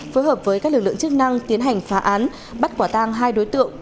phối hợp với các lực lượng chức năng tiến hành phá án bắt quả tang hai đối tượng